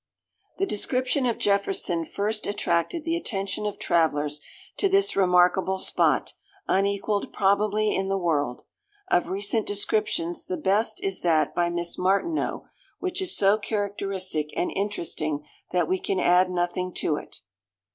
The description of Jefferson first attracted the attention of travellers to this remarkable spot, unequalled probably in the world. Of recent descriptions the best is that by Miss Martineau, which is so characteristic and interesting, that we can add nothing to it.